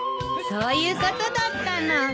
そういうことだったの。